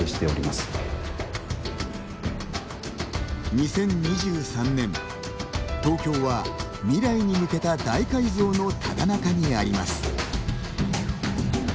２０２３年、東京は未来に向けた大改造のただなかにあります。